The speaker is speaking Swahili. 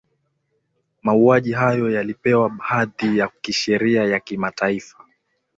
mauaji hayo yalipewa hadhi ya kisheria ya kimataifa